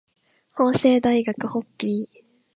法政大学ホッピー